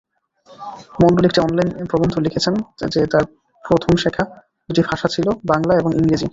মন্ডল একটি অনলাইন প্রবন্ধে লিখেছেন যে তাঁর প্রথম শেখা দুটি ভাষা ছিল বাংলা এবং ইংরেজি।